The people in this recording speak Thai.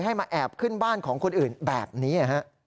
ให้มาแอบขึ้นบ้านของคนอื่นแบบนี้